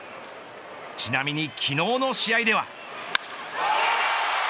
ちなみに昨日の試合では。